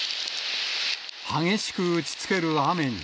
激しく打ちつける雨に。